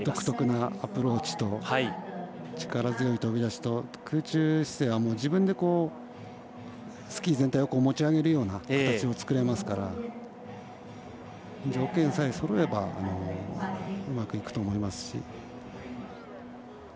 独特なアプローチと力強い飛び出しと空中姿勢は自分でスキー全体を持ち上げるような形を作れますから条件さえそろえばうまくいくと思います。